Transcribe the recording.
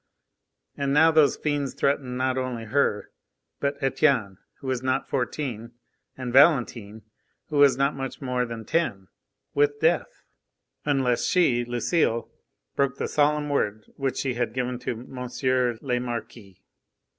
And now those fiends threatened not only her, but Etienne who was not fourteen, and Valentine who was not much more than ten, with death, unless she Lucile broke the solemn word which she had given to M. le Marquis.